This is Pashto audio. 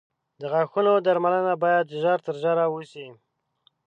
• د غاښونو درملنه باید ژر تر ژره وشي.